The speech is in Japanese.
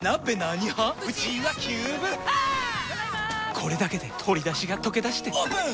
これだけで鶏だしがとけだしてオープン！